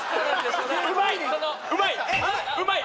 うまい！